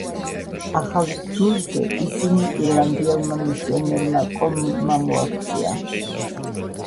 ახალ რჯულზე ისინი ირლანდიელმა მისიონერმა კოლუმბმა მოაქცია.